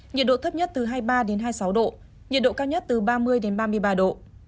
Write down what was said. nhiệt độ thấp nhất từ hai mươi ba đến hai mươi sáu độ nhiệt độ cao nhất từ ba mươi ba mươi ba độ